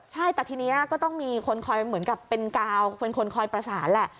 ใช่แต่ทีนี้ก็ต้องมีคนคอยเหมือนกับเป็นกาวเป็นคนคอยประสานแหละ